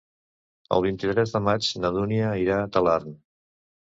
El vint-i-tres de maig na Dúnia irà a Talarn.